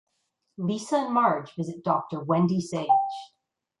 Lisa and Marge visit Doctor Wendy Sage.